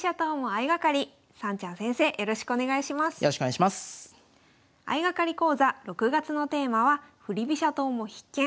相掛かり講座６月のテーマは「振り飛車党も必見！